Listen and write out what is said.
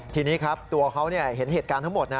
ทีนี้ครับตัวเขาเห็นเหตุการณ์ทั้งหมดนะ